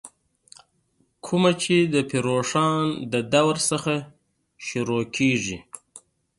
کومه چې دَپير روښان ددورنه شروع کيږې